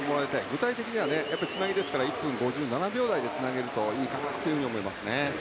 具体的には、つなぎですから１分５７秒台でつなげるといいかなと思いますね。